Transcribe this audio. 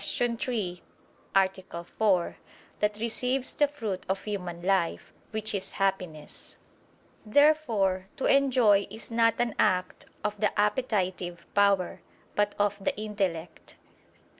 3, A. 4), that receives the fruit of human life, which is Happiness. Therefore to enjoy is not an act of the appetitive power, but of the intellect.